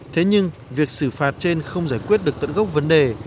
thế nhưng việc xử phạt trên không giải quyết được tận gốc vấn đề